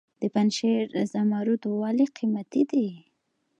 د پنجشیر زمرد ولې قیمتي دي؟